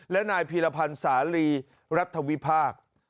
และนายพีรพันธ์สาลีรัฐวิพากษ์